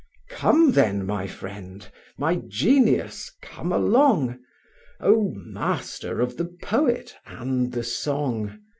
Come, then, my friend! my genius! come along; Oh, master of the poet, and the song!